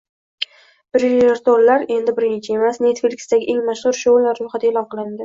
“Brijertonlar” endi birinchi emas: Netflix’dagi eng mashhur shoular ro‘yxati e’lon qilindi